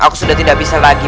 aku sudah tidak bisa lagi